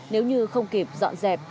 nếu như không kịp dọn dẹp